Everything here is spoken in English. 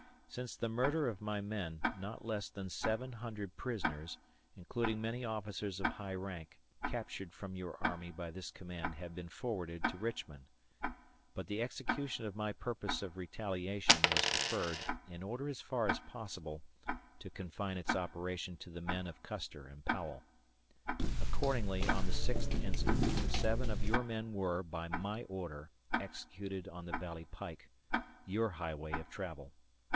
Since the murder of my men, not less than seven hundred prisoners, including many officers of high rank, captured from your army by this command have been forwarded to Richmond; but the execution of my purpose of retaliation was deferred, in order, as far as possible, to confine its operation to the men of Custer and Powell. Accordingly, on the 6th instant, seven of your men were, by my order, executed on the Valley Pike your highway of travel.